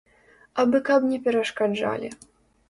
Абы каб не перашкаджалі.